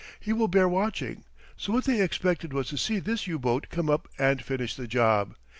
He will bear watching; so what they expected was to see this U boat come up and finish the job.